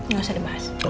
gak usah dibahas